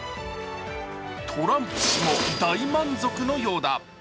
トランプ氏も大満足のようだ。